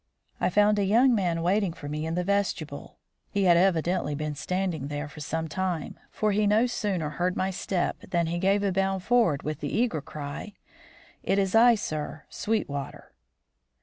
I found a young man waiting for me in the vestibule. He had evidently been standing there for some time, for he no sooner heard my step than he gave a bound forward with the eager cry: "It is I, sir, Sweetwater."